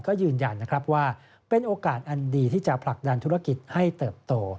ก็ยืนยันนะครับว่าเป็นโอกาสอันดีที่จะผลักดันธุรกิจให้เติบโต